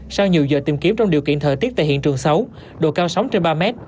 sau nhiều giờ tìm kiếm trong điều kiện thời tiết tại hiện trường xấu độ cao sóng trên ba mét